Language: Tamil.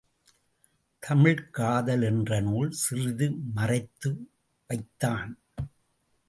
தமிழ்க்காதல் என்ற நூல் சிறிது மறைத்து வைத்தான்.